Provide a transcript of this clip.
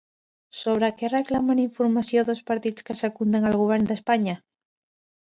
Sobre què reclamen informació dos partits que secunden el govern d'Espanya?